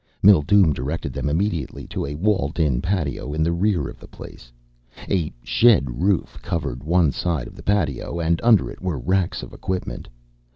Mildume directed them immediately to a walled in patio in the rear of the place. A shed roof covered one side of the patio and under it were racks of equipment.